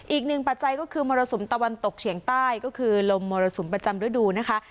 ปัจจัยก็คือมรสุมตะวันตกเฉียงใต้ก็คือลมมรสุมประจำฤดูนะคะ